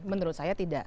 menurut saya tidak